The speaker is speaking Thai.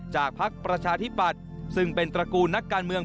พักประชาธิปัตย์ซึ่งเป็นตระกูลนักการเมือง